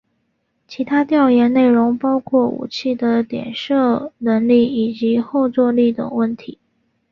其他调研内容包括武器的点射能力以及后座力等问题。